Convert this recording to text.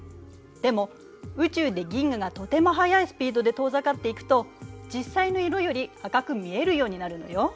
でも宇宙で銀河がとても速いスピードで遠ざかっていくと実際の色より赤く見えるようになるのよ。